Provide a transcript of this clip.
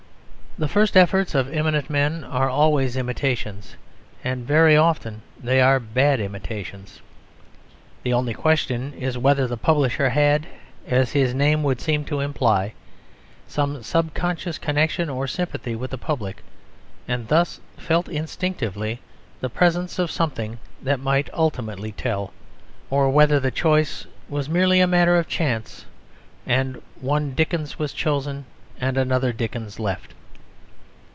The first efforts of eminent men are always imitations; and very often they are bad imitations. The only question is whether the publisher had (as his name would seem to imply) some subconscious connection or sympathy with the public, and thus felt instinctively the presence of something that might ultimately tell; or whether the choice was merely a matter of chance and one Dickens was chosen and another Dickens left.